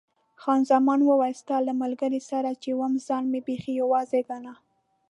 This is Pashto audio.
خان زمان وویل، ستا له ملګرو سره چې وم ځان مې بیخي یوازې ګاڼه.